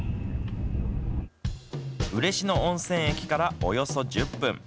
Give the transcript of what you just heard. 嬉野温泉駅からおよそ１０分。